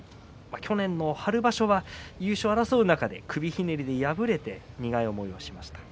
去年の春場所は優勝を争う中で首ひねりで敗れて苦い思いをしました。